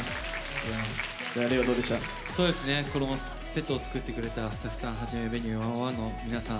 セットを作ってくれたスタッフさんはじめ「Ｖｅｎｕｅ１０１」の皆さん。